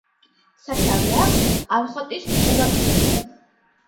სათავე აქვს არხოტის უღელტეხილთან.